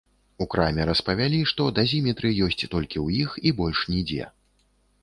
У краме распавялі, што дазіметры ёсць толькі ў іх, больш нідзе.